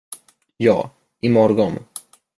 Ja, i morgon.